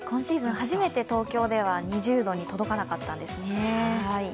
初めて東京では２０度に届かなかったんですね。